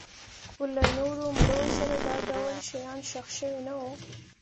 خو له نورو مړو سره دا ډول شیان ښخ شوي نه وو